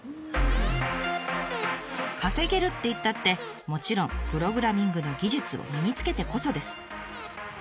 稼げるっていったってもちろんプログラミングの技術を身につけてこそです。